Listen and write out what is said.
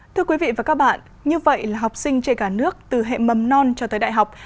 thưa quý vị và các bạn như vậy là học sinh trên cả nước từ hệ mầm non cho tới đại học